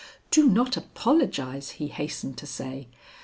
"Do not apologize," he hastened to say.